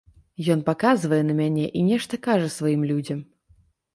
Ён паказвае на мяне і нешта кажа сваім людзям.